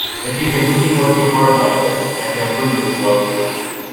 If you continue working hard like this, I can approve your promotion.